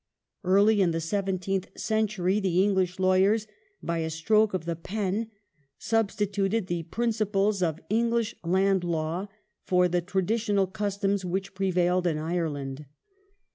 Early in the seventeenth century the English lawyei s, by a stroke of the pen, substituted the principles of English land law for the traditional customs which prevailed in Ireland.